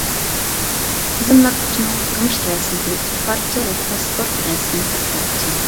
تىزىملاتقۇچىنىڭ تۇرمۇش رەسىمىدىن ئىككى پارچە ۋە پاسپورت رەسىمى بىر پارچە .